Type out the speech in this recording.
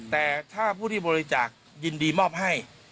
แต่ถ้าผู้ที่บริจาคยินดีมอบให้